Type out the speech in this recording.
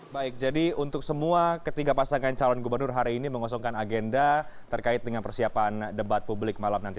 baik jadi untuk semua ketiga pasangan calon gubernur hari ini mengosongkan agenda terkait dengan persiapan debat publik malam nanti